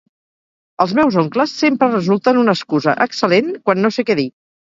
Els meus oncles sempre resulten una excusa excel·lent quan no sé què dir.